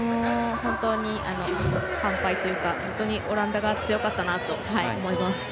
本当に完敗というか本当にオランダが強かったなと思います。